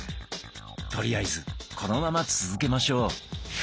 とりあえずこのまま続けましょう。